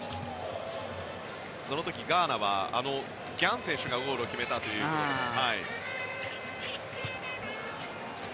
その時、ガーナはあのギャン選手がゴールを決めたということで。